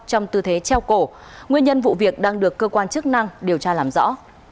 trong tư thế treo cổ nguyên nhân vụ việc đang được cơ quan chức năng điều tra làm rõ